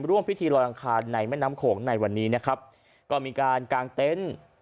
ร่วมพิธีลอยอังคารในแม่น้ำโขงในวันนี้นะครับก็มีการกางเต็นต์